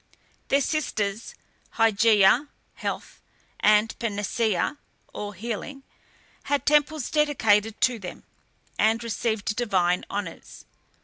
Their sisters, HYGEIA (health), and PANACEA (all healing), had temples dedicated to them, and received divine honours.